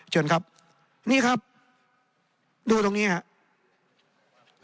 เชิญครับนี่ครับดูตรงนี้ครับ